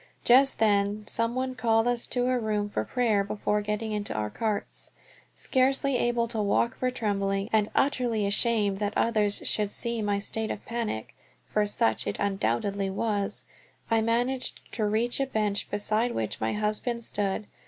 Just then some one called us to a room for prayer before getting into our carts. Scarcely able to walk for trembling, and utterly ashamed that others should see my state of panic, for such it undoubtedly was, I managed to reach a bench beside which my husband stood.